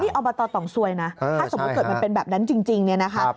อบตต่องซวยนะถ้าสมมุติเกิดมันเป็นแบบนั้นจริงเนี่ยนะคะ